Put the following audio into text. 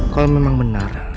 kalau memang benar